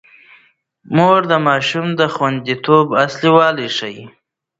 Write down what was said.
مور د ماشوم د خونديتوب اصول ښيي.